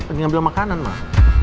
ini ambil makanan mah